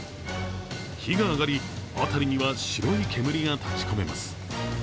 火が上がり、辺りには白い煙が立ちこめます。